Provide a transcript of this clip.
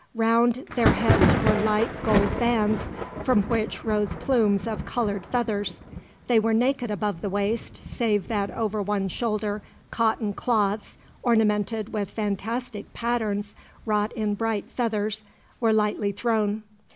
Round their heads were light gold bands, from which rose plumes of colored feathers. They were naked above the waist, save that over one shoulder cotton cloths, ornamented with fantastic patterns wrought in bright feathers, were lightly thrown.